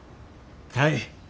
はい。